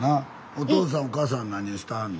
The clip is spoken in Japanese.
お父さんお母さん何をしてはんの？